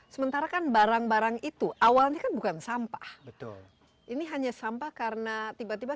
sementara kan barang barang itu awalnya kan bukan sampah betul ini hanya sampah karena tiba tiba